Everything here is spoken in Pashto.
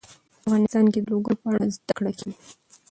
افغانستان کې د لوگر په اړه زده کړه کېږي.